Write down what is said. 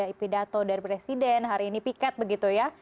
setelah kemarin ada pidato dari presiden hari ini piket begitu ya